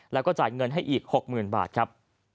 แล้วก็จ่ายเงินให้อีกหกหมื่นบาทครับ